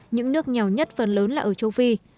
những nước nghèo nhất phần lớn là ở châu phi